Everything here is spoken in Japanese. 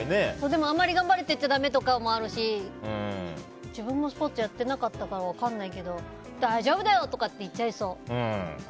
でもあんまり頑張れって言っちゃだめというのもあるし自分もスポーツやっていなかったから分からないけど大丈夫だよ！とか言っちゃいそう。